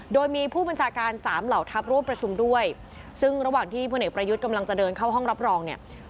โดยมีผู้บัญชาการสามเหล่าทัพร่วมประชุมด้วยซึ่งระหว่างที่พลเอกประยุทธ์กำลังจะเดินเข้าห้องรับรองเนี่ย